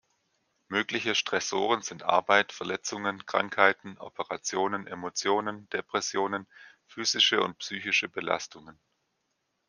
Mögliche Stressoren sind Arbeit, Verletzungen, Krankheiten, Operationen, Emotionen, Depressionen, physische und psychische Belastungen.